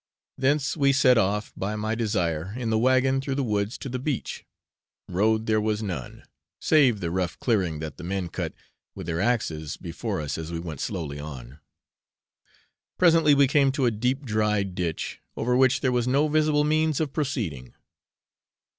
Thence we set off, by my desire, in the wagon through the woods to the beach; road there was none, save the rough clearing that the men cut with their axes before us as we went slowly on. Presently, we came to a deep dry ditch, over which there was no visible means of proceeding.